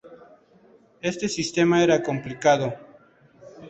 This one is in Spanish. Este sistema era complicado.